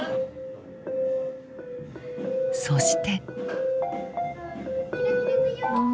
そして。